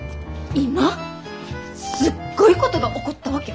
今すっごいことが起こったわけ！